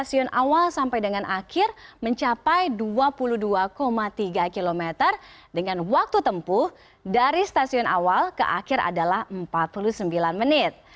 di mana anda bisa melihat